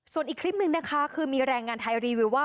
ส่วนอีกคลิปหนึ่งนะคะคือมีแรงงานไทยรีวิวว่า